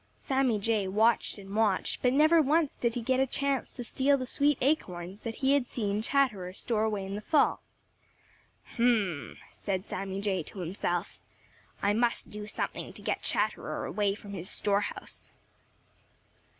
Sammy Jay watched and watched, but never once did he get a chance to steal the sweet acorns that he had seen Chatterer store away in the fall. "H m m!" said Sammy Jay to himself, "I must do something to get Chatterer away from his store house."